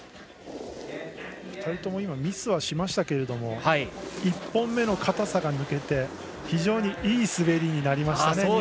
２人ともミスはしましたが１本目の硬さが抜けて非常にいい滑りになりましたね